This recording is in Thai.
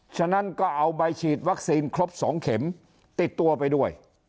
ฉะนั้นก็เอาใบฉีดวัคซีนครบ๒เข็มติดตัวไปด้วย